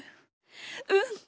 うん。